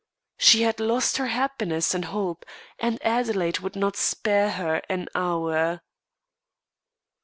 She had lost her happiness and hope, and Adelaide would not spare her an hour.